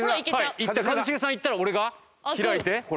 一茂さん行ったら俺が開いてほら。